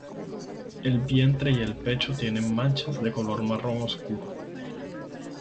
El vientre y el pecho tienen manchas de color marrón oscuro.